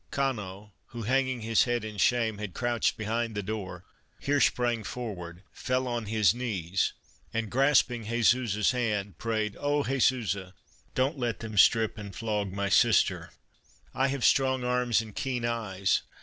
Cano, who, hanging his head in shame, had crouched behind the door, here sprang forward, fell on his knees and grasping Jesusa's Christmas Under Three Hags hand, prayed : "Oh! Jesusa, don't let them strip and flog: my sister. I have strong arms and keen eyes.